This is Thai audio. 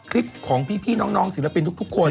คลิปของพี่น้องศิลปินทุกคน